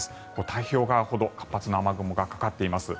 太平洋側ほど活発な雨雲がかかっています。